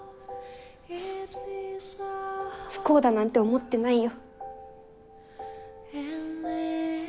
不幸だなんて思ってないよ。